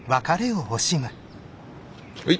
はい。